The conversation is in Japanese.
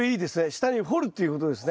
下に掘るっていうことですね。